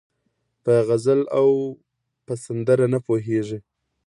په غزل او په سندره نه پوهېږي